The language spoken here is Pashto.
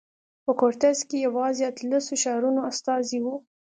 په کورتس کې یوازې اتلسو ښارونو استازي وو.